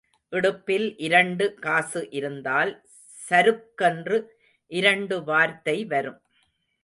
இடுப்பில் இரண்டு காசு இருந்தால் சருக்கென்று இரண்டு வார்த்தை வரும்.